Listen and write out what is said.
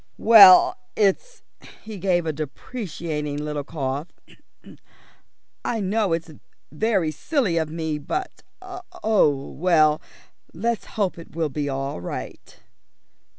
"Well, it's " he gave a deprecating little cough. "I know it's very silly of me but oh, well, let's hope it will be all right."